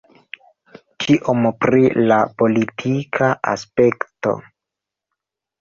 Tiom pri la politika aspekto.